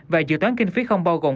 và dự toán kinh phí không bao gồm